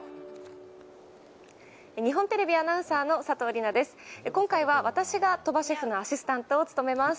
日本テレビアナウンサーの佐藤梨那です。